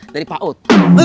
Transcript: dari pak ut